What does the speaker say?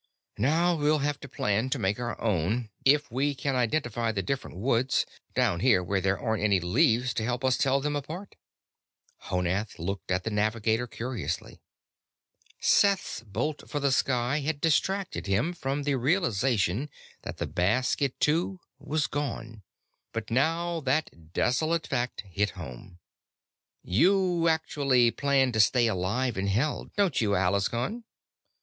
Now we'll have to plan to make our own if we can identify the different woods, down here where there aren't any leaves to help us tell them apart." Honath looked at the navigator curiously. Seth's bolt for the sky had distracted him from the realization that the basket, too, was gone, but now that desolate fact hit home. "You actually plan to stay alive in Hell, don't you, Alaskon?"